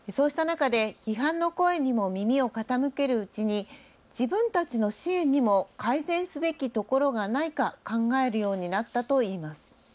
そうした中で批判の声にも耳を傾けるうちに自分たちの支援にも改善すべきところがないか考えるようになったといいます。